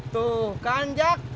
tuh kan jak